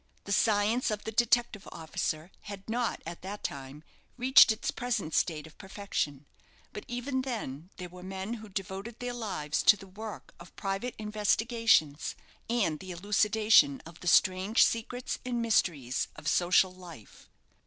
The science of the detective officer had not, at that time, reached its present state of perfection; but even then there were men who devoted their lives to the work of private investigations, and the elucidation of the strange secrets and mysteries of social life.